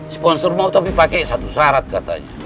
sponsor mau tapi pakai satu syarat katanya